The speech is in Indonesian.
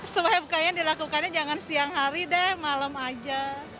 sebagai bukanya dilakukannya jangan siang hari deh malam aja